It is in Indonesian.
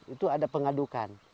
itu ada pengadukan